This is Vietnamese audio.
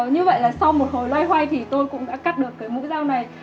như vậy là sau một hồi loay hoay thì tôi cũng đã cắt được cái mũi dao này